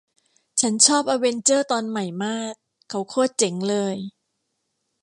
ฉันชอบอเวนเจอร์ตอนใหม่มาด เขาโคตรเจ๋งเลย